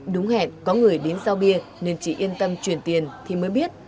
đúng hẹn có người đến giao bia nên chị yên tâm chuyển tiền thì mới biết